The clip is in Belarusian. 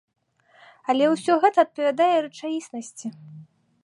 Але ўсё гэта адпавядае рэчаіснасці.